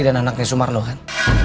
istri dan anaknya sumarno kan